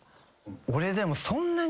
俺でもそんなに。